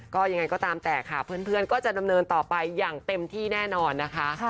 ก็ยังไงก็ตามแต่ค่ะเพื่อนก็จะดำเนินต่อไปอย่างเต็มที่แน่นอนนะคะ